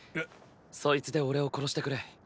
そいつで俺を殺してくれ。